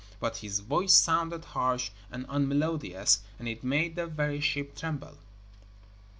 But his voice sounded harsh and unmelodious, and it made the very ship tremble.